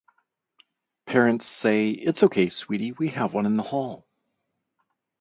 Parent says “It’s okay, sweetie, we have one in the hall.”